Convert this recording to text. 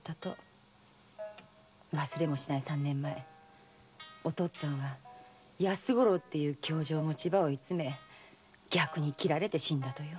忘れもしない三年前おとっつぁんは安五郎って凶状持ちば追いつめ逆に切られて死んだとよ。